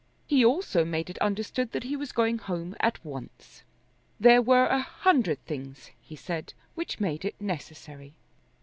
He also made it understood that he was going home at once. There were a hundred things, he said, which made it necessary.